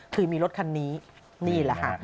คือมีรถคันนี้นี่แหละค่ะ